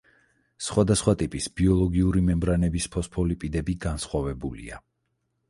სხვადასხვა ტიპის ბიოლოგიური მემბრანების ფოსფოლიპიდები განსხვავებულია.